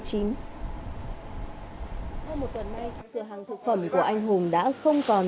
cửa hàng thực phẩm của anh hùng đã không còn